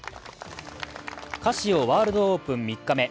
カシオワールドオープン３日目。